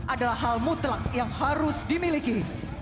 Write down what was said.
adalah hal mutlak yang harus dimiliki